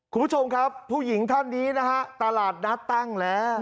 คุณผู้ชมครับผู้หญิงท่านนี้นะฮะตลาดนัดตั้งแล้ว